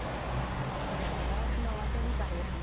いやこれ駒落ちの上手みたいですね。